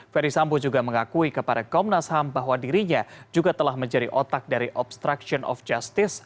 ferdis sambo juga mengakui kepada kaum nasham bahwa dirinya juga telah menjadi otak dari obstruction of justice